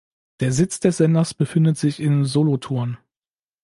Der Sitz des Senders befindet sich in Solothurn.